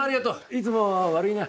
いつも悪いな。